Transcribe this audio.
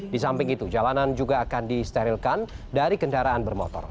di samping itu jalanan juga akan disterilkan dari kendaraan bermotor